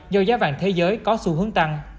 do giá vàng thế giới có xu hướng tăng